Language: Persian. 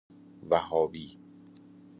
وهابی